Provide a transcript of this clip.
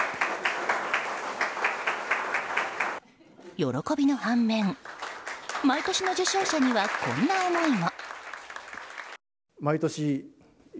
喜びの反面毎年の受賞者にはこんな思いも。